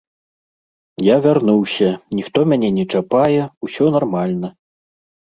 Я вярнуўся, ніхто мяне не чапае, усё нармальна.